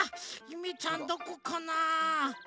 ゆめちゃんどこかなあ？